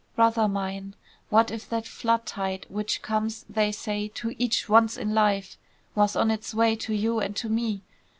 Brother mine, what if that flood tide which comes, they say, to each, once in life, was on its way to you and to me?